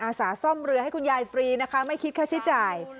สาซ่อมเรือให้คุณยายฟรีนะคะไม่คิดค่าใช้จ่าย